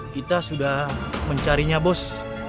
kita sudah mencarinya bos